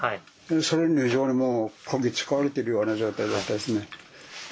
それに非常にもうこき使われてるような状態だったですね。